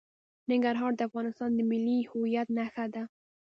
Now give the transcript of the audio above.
ننګرهار د افغانستان د ملي هویت نښه ده.